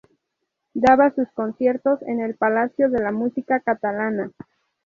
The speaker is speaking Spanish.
Daba sus conciertos en el Palacio de la Música Catalana.